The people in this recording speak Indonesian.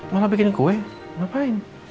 malah bikin kue ngapain